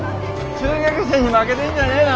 中学生に負けてんじゃねえの？